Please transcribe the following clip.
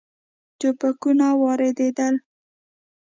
ټوپکونه واردېدل.